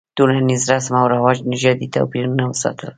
ټولنیز رسم او رواج نژادي توپیرونه وساتل.